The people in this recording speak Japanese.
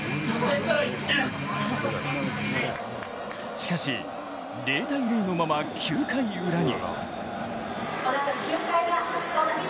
しかし、０−０のまま９回ウラに。